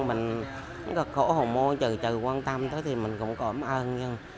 mình khổ hổ môi trời trời quan tâm tới thì mình cũng cảm ơn